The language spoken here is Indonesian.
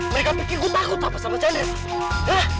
mereka pikir lo takut sama chandra